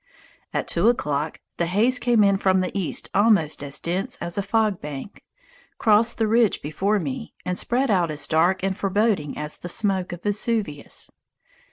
At two o'clock the haze came in from the east almost as dense as a fog bank, crossed the ridge before me, and spread out as dark and foreboding as the smoke of Vesuvius.